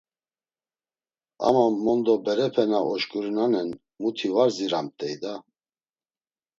“Ama mondo berepe na oşǩurinanen muti va ziramt̆ey da!”